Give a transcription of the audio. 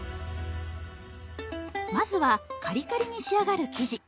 まずはカリカリに仕上がる生地。